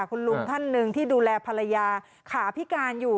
คุณลุงท่านหนึ่งที่ดูแลภรรยาขาพิการอยู่